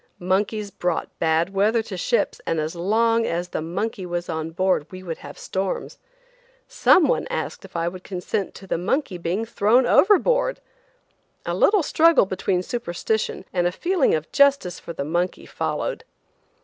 Monkeys brought bad weather to ships, and as long as the monkey was on board we would have storms. Some one asked if I would consent to the monkey being thrown overboard. A little struggle between superstition and a feeling of justice for the monkey followed.